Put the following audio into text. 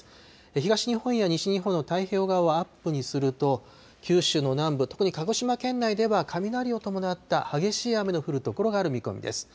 東日本や西日本の太平洋側をアップにすると、九州の南部、特に鹿児島県内では雷を伴った激しい雨の降る所がある見込みです。